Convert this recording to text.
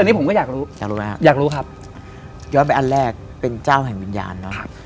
อันนี้ผมก็อยากรู้อยากรู้ครับย้อนไปอันแรกเป็นเจ้าแห่งวิญญาณ